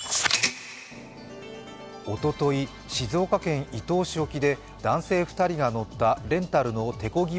おととい、静岡県伊東市沖で男性２人が乗ったレンタルの手こぎ